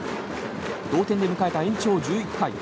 同点で迎えた延長１１回。